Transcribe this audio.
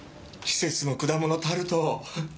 季節の果物タルト。